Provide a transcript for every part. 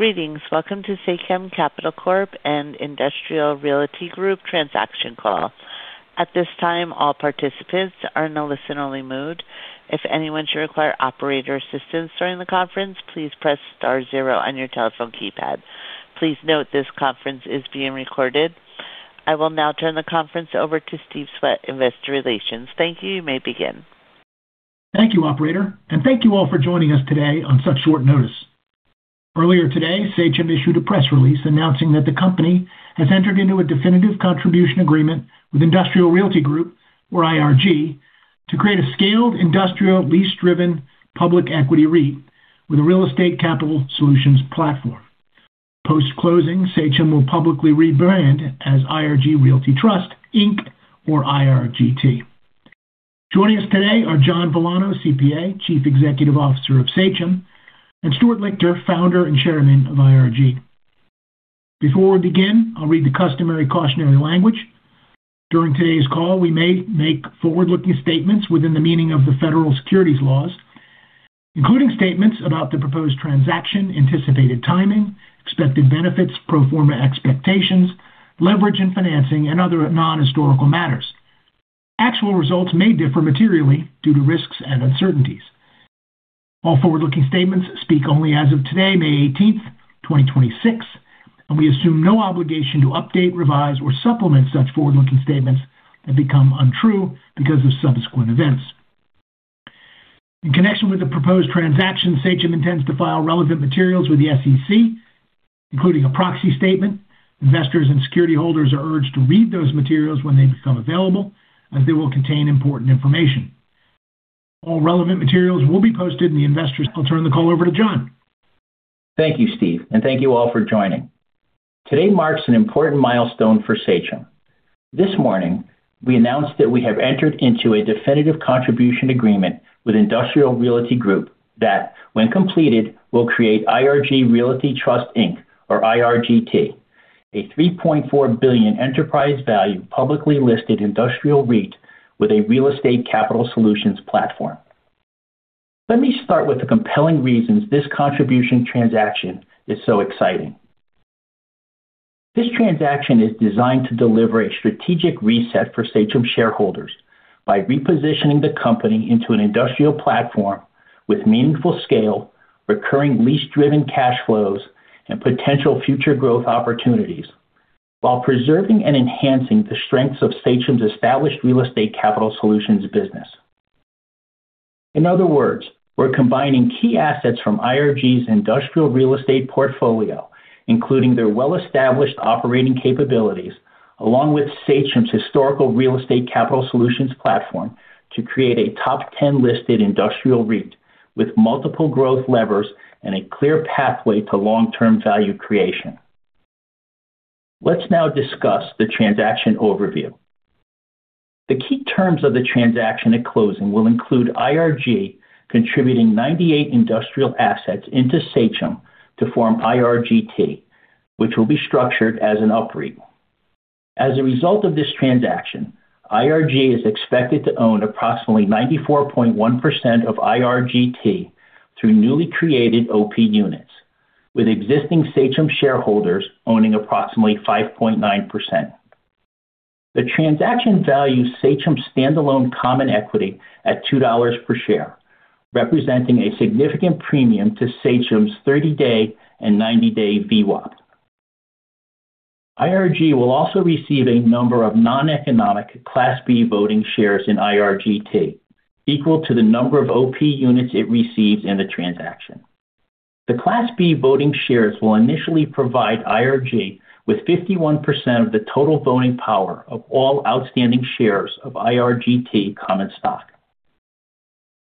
Greetings. Welcome to Sachem Capital Corp and Industrial Realty Group transaction call. At this time all participants are on a listen only mode. If anyone require operator assistance during the conference please pressing star zero on your telephone keypad. Please note this conference is being recorded. I will now turn the conference over to Stephen Swett, Investor Relations. Thank you. You may begin. Thank you, Operator, and thank you all for joining us today on such short notice. Earlier today, Sachem issued a press release announcing that the company has entered into a definitive contribution agreement with Industrial Realty Group, or IRG, to create a scaled industrial lease-driven public equity REIT with a real estate capital solutions platform. Post-closing, Sachem will publicly rebrand as IRG Realty Trust, Inc, or IRGT. Joining us today are John Villano, CPA, Chief Executive Officer of Sachem, and Stuart Lichter, Founder and Chairman of IRG. Before we begin, I'll read the customary cautionary language. During today's call, we may make forward-looking statements within the meaning of the federal securities laws, including statements about the proposed transaction, anticipated timing, expected benefits, pro forma expectations, leverage and financing, and other non-historical matters. Actual results may differ materially due to risks and uncertainties. All forward-looking statements speak only as of today, May 18th, 2026, and we assume no obligation to update, revise, or supplement such forward-looking statements that become untrue because of subsequent events. In connection with the proposed transaction, Sachem intends to file relevant materials with the SEC, including a proxy statement. Investors and security holders are urged to read those materials when they become available, as they will contain important information. All relevant materials will be posted. I'll turn the call over to John. Thank you, Steve, and thank you all for joining. Today marks an important milestone for Sachem. This morning, we announced that we have entered into a definitive contribution agreement with Industrial Realty Group that, when completed, will create IRG Realty Trust, Inc, or IRGT, a $3.4 billion enterprise value publicly listed industrial REIT with a real estate capital solutions platform. Let me start with the compelling reasons this contribution transaction is so exciting. This transaction is designed to deliver a strategic reset for Sachem shareholders by repositioning the company into an industrial platform with meaningful scale, recurring lease-driven cash flows, and potential future growth opportunities, while preserving and enhancing the strengths of Sachem's established real estate capital solutions business. In other words, we're combining key assets from IRG's industrial real estate portfolio, including their well-established operating capabilities, along with Sachem's historical real estate capital solutions platform to create a top 10 listed industrial REIT with multiple growth levers and a clear pathway to long-term value creation. Let's now discuss the transaction overview. The key terms of the transaction at closing will include IRG contributing 98 industrial assets into Sachem to form IRGT, which will be structured as an UPREIT. As a result of this transaction, IRG is expected to own approximately 94.1% of IRGT through newly created OP units, with existing Sachem shareholders owning approximately 5.9%. The transaction values Sachem's standalone common equity at $2 per share, representing a significant premium to Sachem's 30-day and 90-day VWAP. IRG will also receive a number of non-economic Class B voting shares in IRGT, equal to the number of OP units it receives in the transaction. The Class B voting shares will initially provide IRG with 51% of the total voting power of all outstanding shares of IRGT common stock.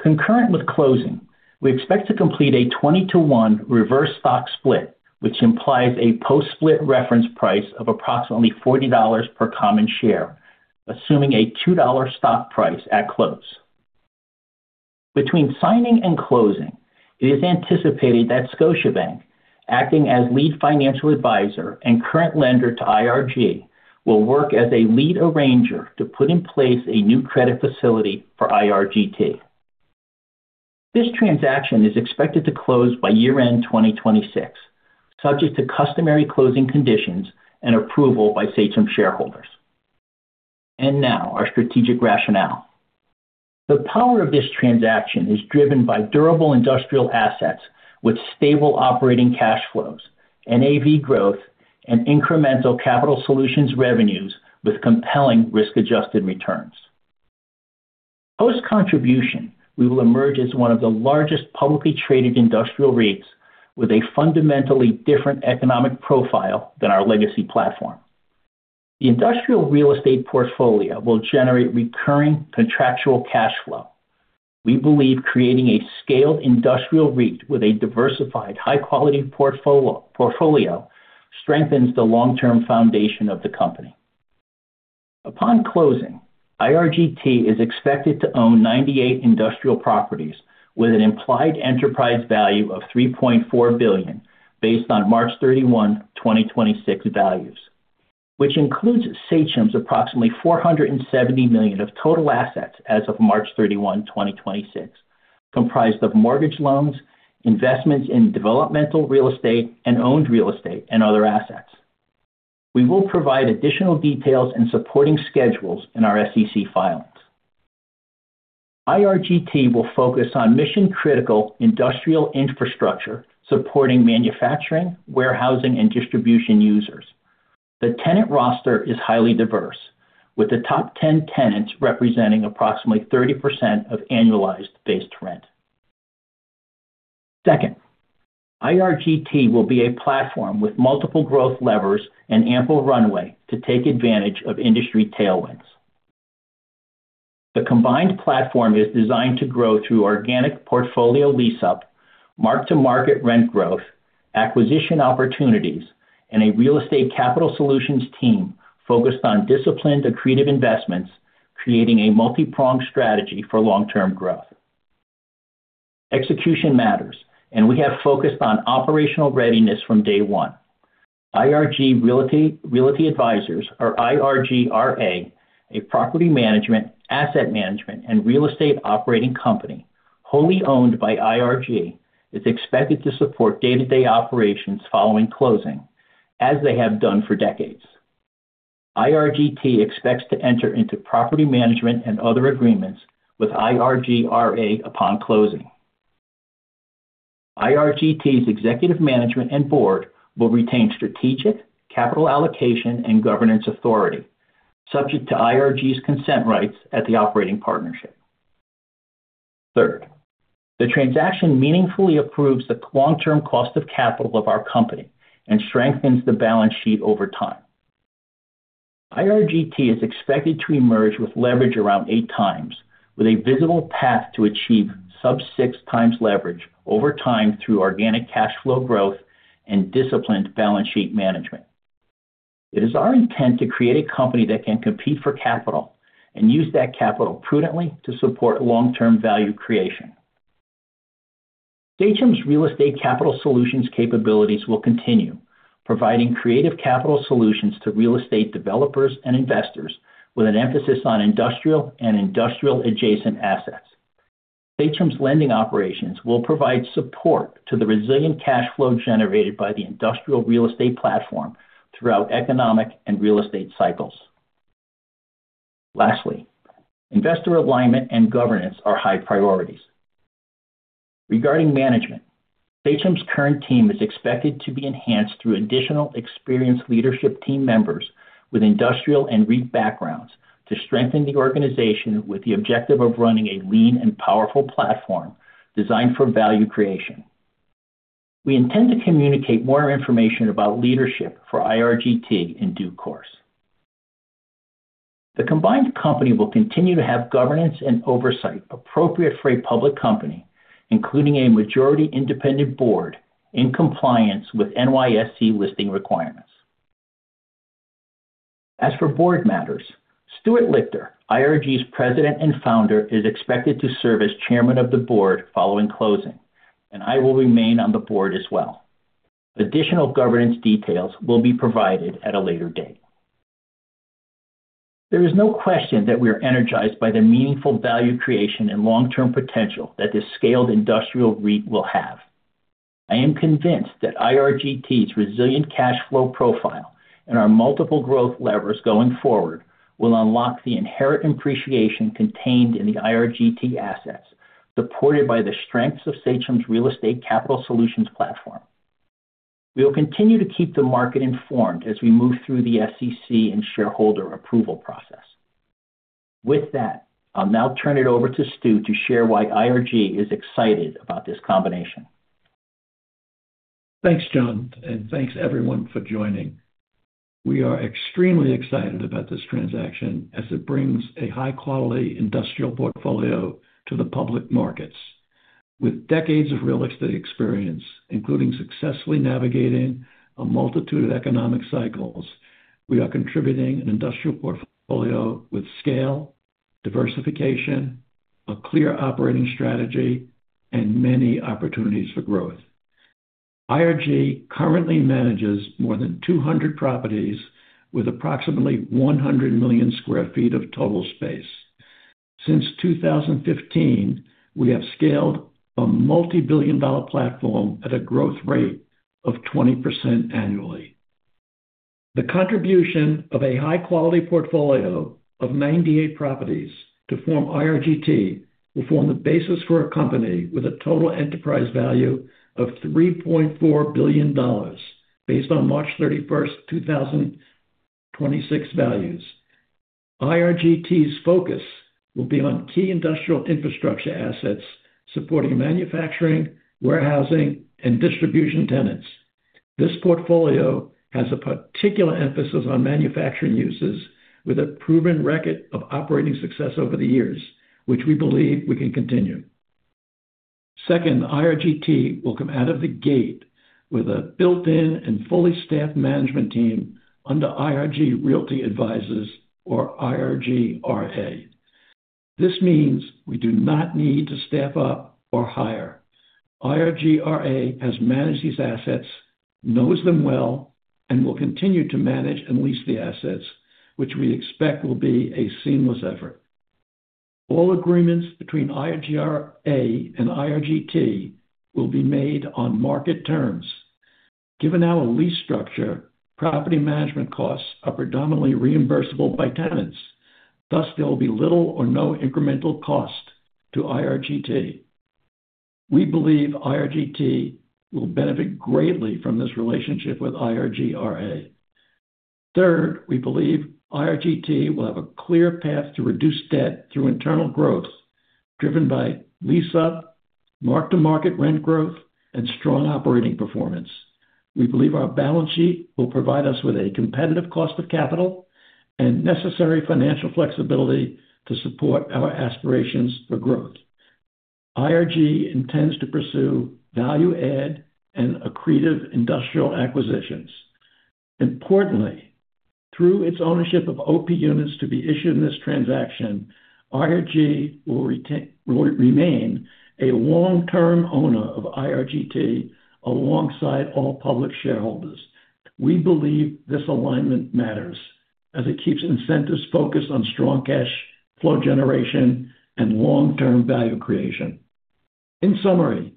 Concurrent with closing, we expect to complete a 20:1 reverse stock split, which implies a post-split reference price of approximately $40 per common share, assuming a $2 stock price at close. Between signing and closing, it is anticipated that Scotiabank, acting as lead financial advisor and current lender to IRG, will work as a lead arranger to put in place a new credit facility for IRGT. This transaction is expected to close by year-end 2026, subject to customary closing conditions and approval by Sachem shareholders. Now, our strategic rationale. The power of this transaction is driven by durable industrial assets with stable operating cash flows, NAV growth, and incremental capital solutions revenues with compelling risk-adjusted returns. Post contribution, we will emerge as one of the largest publicly traded industrial REITs with a fundamentally different economic profile than our legacy platform. The industrial real estate portfolio will generate recurring contractual cash flow. We believe creating a scaled industrial REIT with a diversified high-quality portfolio strengthens the long-term foundation of the company. Upon closing, IRGT is expected to own 98 industrial properties with an implied enterprise value of $3.4 billion based on March 31, 2026 values, which includes Sachem's approximately $470 million of total assets as of March 31, 2026, comprised of mortgage loans, investments in developmental real estate and owned real estate, and other assets. We will provide additional details and supporting schedules in our SEC filings. IRGT will focus on mission-critical industrial infrastructure supporting manufacturing, warehousing, and distribution users. The tenant roster is highly diverse, with the top 10 tenants representing approximately 30% of annualized base rent. Second, IRGT will be a platform with multiple growth levers and ample runway to take advantage of industry tailwinds. The combined platform is designed to grow through organic portfolio lease-up, mark-to-market rent growth, acquisition opportunities, and a real estate capital solutions team focused on disciplined, accretive investments, creating a multi-pronged strategy for long-term growth. Execution matters, and we have focused on operational readiness from day one. IRG Realty Advisors, or IRGRA, a property management, asset management, and real estate operating company, wholly owned by IRG, is expected to support day-to-day operations following closing, as they have done for decades. IRGT expects to enter into property management and other agreements with IRGRA upon closing. IRGT's executive management and board will retain strategic, capital allocation, and governance authority, subject to IRG's consent rights at the operating partnership. Third, the transaction meaningfully improves the long-term cost of capital of our company and strengthens the balance sheet over time. IRGT is expected to emerge with leverage around 8x, with a visible path to achieve sub 6x leverage over time through organic cash flow growth and disciplined balance sheet management. It is our intent to create a company that can compete for capital and use that capital prudently to support long-term value creation. Sachem's real estate capital solutions capabilities will continue, providing creative capital solutions to real estate developers and investors with an emphasis on industrial and industrial adjacent assets. Sachem's lending operations will provide support to the resilient cash flow generated by the industrial real estate platform throughout economic and real estate cycles. Lastly, investor alignment and governance are high priorities. Regarding management, Sachem's current team is expected to be enhanced through additional experienced leadership team members with industrial and REIT backgrounds to strengthen the organization with the objective of running a lean and powerful platform designed for value creation. We intend to communicate more information about leadership for IRGT in due course. The combined company will continue to have governance and oversight appropriate for a public company, including a majority independent board in compliance with NYSE listing requirements. As for board matters, Stuart Lichter, IRG's president and founder, is expected to serve as Chairman of the Board following closing, and I will remain on the board as well. Additional governance details will be provided at a later date. There is no question that we are energized by the meaningful value creation and long-term potential that this scaled industrial REIT will have. I am convinced that IRGT's resilient cash flow profile and our multiple growth levers going forward will unlock the inherent appreciation contained in the IRGT assets, supported by the strengths of Sachem's real estate capital solutions platform. We will continue to keep the market informed as we move through the SEC and shareholder approval process. With that, I'll now turn it over to Stu to share why IRG is excited about this combination. Thanks, John, and thanks everyone for joining. We are extremely excited about this transaction as it brings a high-quality industrial portfolio to the public markets. With decades of real estate experience, including successfully navigating a multitude of economic cycles, we are contributing an industrial portfolio with scale, diversification, a clear operating strategy, and many opportunities for growth. IRG currently manages more than 200 properties with approximately 100 million sq ft of total space. Since 2015, we have scaled a multi-billion dollar platform at a growth rate of 20% annually. The contribution of a high-quality portfolio of 98 properties to form IRGT will form the basis for a company with a total enterprise value of $3.4 billion based on March 31st, 2026 values. IRGT's focus will be on key industrial infrastructure assets supporting manufacturing, warehousing, and distribution tenants. This portfolio has a particular emphasis on manufacturing uses with a proven record of operating success over the years, which we believe we can continue. Second, IRGT will come out of the gate with a built-in and fully staffed management team under IRG Realty Advisors or IRGRA. This means we do not need to staff up or hire. IRGRA has managed these assets, knows them well, and will continue to manage and lease the assets, which we expect will be a seamless effort. All agreements between IRGRA and IRGT will be made on market terms. Given our lease structure, property management costs are predominantly reimbursable by tenants. Thus, there will be little or no incremental cost to IRGT. We believe IRGT will benefit greatly from this relationship with IRGRA. Third, we believe IRGT will have a clear path to reduce debt through internal growth, driven by lease-up, mark-to-market rent growth, and strong operating performance. We believe our balance sheet will provide us with a competitive cost of capital and necessary financial flexibility to support our aspirations for growth. IRG intends to pursue value add and accretive industrial acquisitions. Importantly, through its ownership of OP units to be issued in this transaction, IRG will remain a long-term owner of IRGT alongside all public shareholders. We believe this alignment matters, as it keeps incentives focused on strong cash flow generation and long-term value creation. In summary,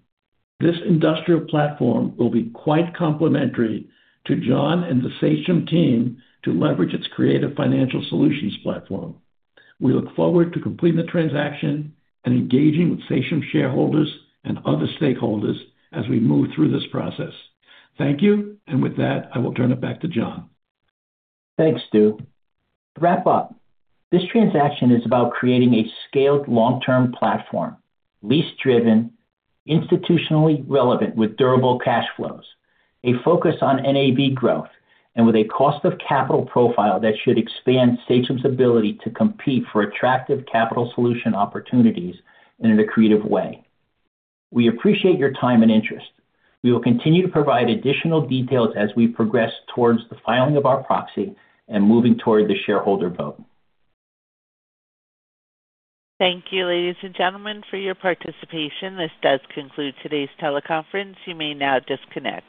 this industrial platform will be quite complementary to John and the Sachem team to leverage its creative financial solutions platform. We look forward to completing the transaction and engaging with Sachem shareholders and other stakeholders as we move through this process. Thank you. With that, I will turn it back to John. Thanks, Stu. To wrap up, this transaction is about creating a scaled long-term platform, lease driven, institutionally relevant with durable cash flows, a focus on NAV growth, and with a cost of capital profile that should expand Sachem's ability to compete for attractive capital solution opportunities in an accretive way. We appreciate your time and interest. We will continue to provide additional details as we progress towards the filing of our proxy and moving toward the shareholder vote. Thank you, ladies and gentlemen, for your participation. This does conclude today's teleconference. You may now disconnect.